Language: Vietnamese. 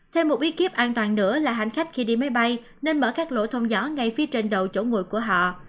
thêm một ekip an toàn nữa là hành khách khi đi máy bay nên mở các lỗ thông gió ngay phía trên đầu chỗ ngồi của họ